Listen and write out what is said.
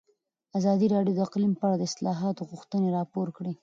ازادي راډیو د اقلیم په اړه د اصلاحاتو غوښتنې راپور کړې.